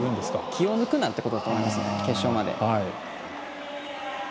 気を抜くなということだと思います、決勝まで。